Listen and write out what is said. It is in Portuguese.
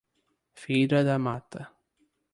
Feira da Mata